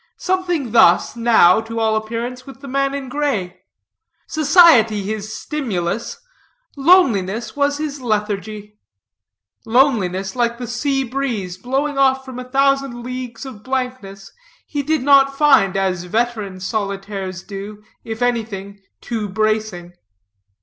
Something thus now, to all appearance, with the man in gray. Society his stimulus, loneliness was his lethargy. Loneliness, like the sea breeze, blowing off from a thousand leagues of blankness, he did not find, as veteran solitaires do, if anything, too bracing.